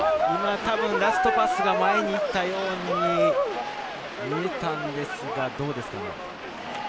ラストパスが前に行ったように見えたんですが。